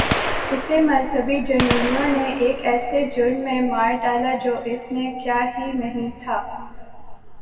اسے مذہبی جنونیوں نے ایک ایسے جرم میں مار ڈالا جو اس نے کیا ہی نہیں تھا۔